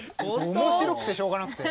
面白くてしょうがなくて。